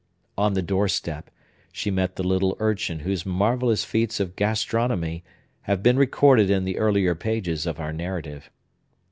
On the doorstep, she met the little urchin whose marvellous feats of gastronomy have been recorded in the earlier pages of our narrative.